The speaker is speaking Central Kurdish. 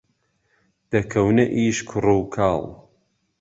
دەکەونە ئیش کوڕ و کاڵ